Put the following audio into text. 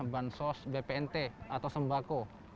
bansos bpnt atau sembako